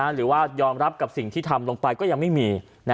หรือว่ายอมรับกับสิ่งที่ทำลงไปก็ยังไม่มี